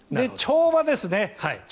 あと跳馬ですね。